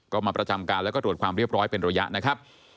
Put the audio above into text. ก็มาประจำการแล้วก็ตรวจความเรียบร้อยเป็นระยะนะครับ